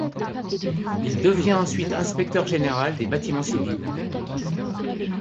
Il devient ensuite inspecteur général des bâtiments civils.